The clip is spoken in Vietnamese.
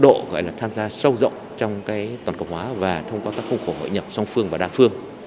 độ gọi là tham gia sâu rộng trong toàn cộng hóa và thông qua các khung khổ hội nhập song phương và đa phương